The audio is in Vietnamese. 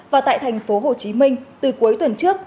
và tại thành phố hồ chí minh từ cuối tuần trước